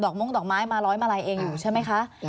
ดอกม่วงดอกไม้มารอยมาลัยเองใช่ไหมคะ